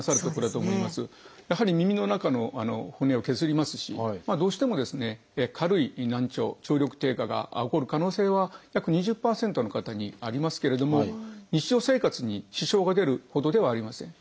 やはり耳の中の骨を削りますしどうしてもですね軽い難聴聴力低下が起こる可能性は約２０％の方にありますけれども日常生活に支障が出るほどではありません。